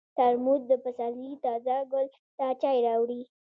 ترموز د پسرلي تازه ګل ته چای راوړي.